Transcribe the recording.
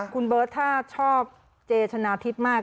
คุณเบิร์ตถ้าชอบเจชนะทิพย์มาก